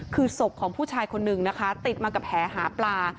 คือศพของผู้ชายคนนึงนะคะติดมากับแหหาปลา